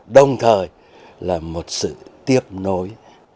đồng thời là một sự tiếp nối